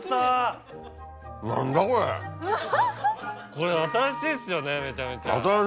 これ新しいですよねめちゃめちゃ。